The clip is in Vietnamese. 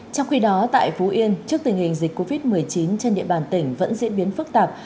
trong khi đó tại phú yên trước tình hình dịch covid một mươi chín trên địa bàn tỉnh vẫn diễn biến phức tạp